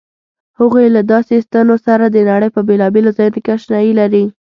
هغوی له داسې ستنو سره د نړۍ په بېلابېلو ځایونو کې آشنايي لري.